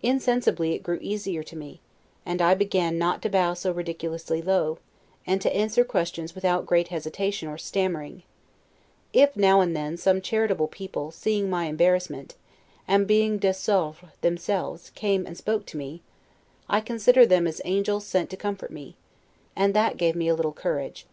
Insensibly it grew easier to me; and I began not to bow so ridiculously low, and to answer questions without great hesitation or stammering: if, now and then, some charitable people, seeing my embarrassment, and being 'desoevre' themselves, came and spoke to me, I considered them as angels sent to comfort me, and that gave me a little courage.